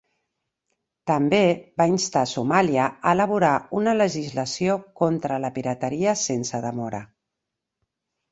També va instar Somàlia a elaborar una legislació contra la pirateria sense demora.